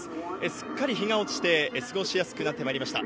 すっかり日が落ちて、過ごしやすくなってまいりました。